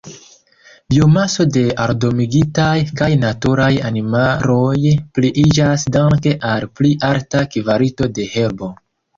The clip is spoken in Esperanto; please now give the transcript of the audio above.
Biomaso de aldomigitaj kaj naturaj animaloj pliiĝas danke al pli alta kvalito de herbo.